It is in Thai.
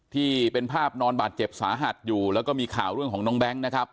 ที่เป็นภาพนอนบาดเจ็บสาหัสอยู่แล้วก็มีข่าวเรื่องของน้องแบงค์นะครับ